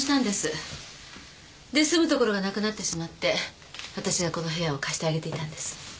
で住むところがなくなってしまってわたしがこの部屋を貸してあげていたんです。